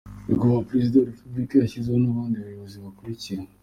Nyakubahwa Perezida wa Repubulika yashyizeho n’abandi Bayobozi bakurikira:.